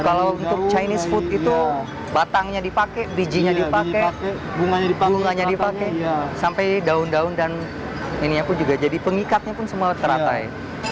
kalau untuk chinese food itu batangnya dipakai bijinya dipakai bunganya dipakai sampai daun daun dan ininya pun juga jadi pengikatnya pun semua teratai